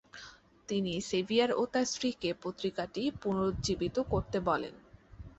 তিনি সেভিয়ার ও তার স্ত্রীকে পত্রিকাটি পুনরুজ্জীবিত করতে বলেন।